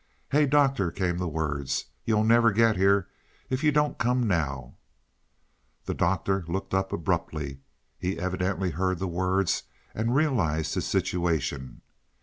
"Hey, Doctor!" came the words. "You'll never get here if you don't come now." The Doctor looked up abruptly; he evidently heard the words and realized his situation.